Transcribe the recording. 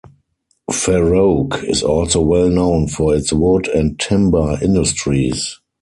Feroke is also well known for its wood and Timber industries.